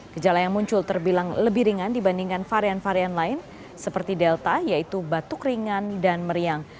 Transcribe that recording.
gejala yang muncul terbilang lebih ringan dibandingkan varian varian lain seperti delta yaitu batuk ringan dan meriang